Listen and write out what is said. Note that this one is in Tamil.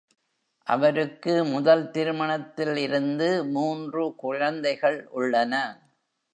அவருக்கு முதல் திருமணத்தில் இருந்து மூன்று குழந்தைகள் உள்ளன.